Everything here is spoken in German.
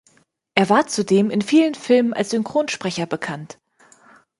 Er war zudem in vielen Filmen als Synchronsprecher bekannt.